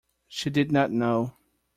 She did not know.